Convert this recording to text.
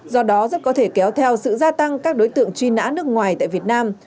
do đó rất có thể kéo theo sự gia tăng các đối tượng truy nã nước ngoài tại việt nam